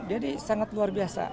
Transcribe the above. jadi sangat luar biasa